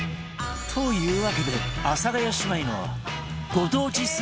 というわけで阿佐ヶ谷姉妹のご当地スーパー潜入